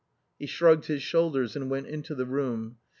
He shrugged his shoulders and went into the room.